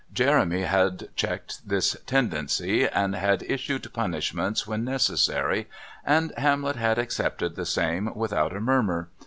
Jeremy had checked this tendency, and had issued punishments when necessary, and Hamlet had accepted the same without a murmur.